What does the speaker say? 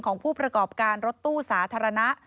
ของผู้ประกอบการรถตู้สาธารณะ